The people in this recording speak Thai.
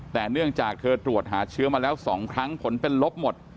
แต่เนื่องจากเธอตรวจหาเชื้อมาแล้ว๒ครั้งผลเป็นลบหมด